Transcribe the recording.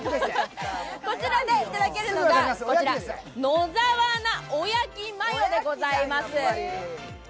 こちらでいただけるのが野沢菜おやきマヨでございます。